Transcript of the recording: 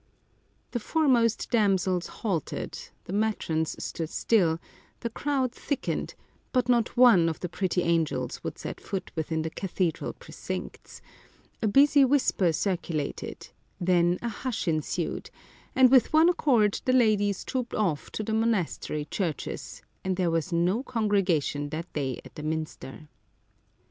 The foremost damsels halted, the matrons stood still, the crowd thickened, but not one of the pretty angels would set foot within the cathedral precincts : a busy whisper circulated, then a hush ensued, and with one accord the ladies trooped off to the mon astery churches, and there was no congregation that day at the minster.